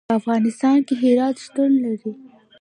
په افغانستان کې هرات شتون لري.